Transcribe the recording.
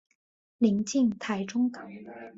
临近台中港。